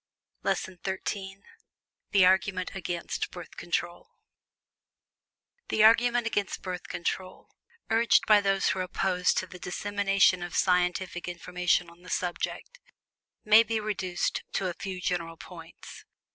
LESSON XIII THE ARGUMENT AGAINST BIRTH CONTROL The argument against Birth Control, urged by those who are opposed to the dissemination of scientific information on the subject, may be reduced to a few general points.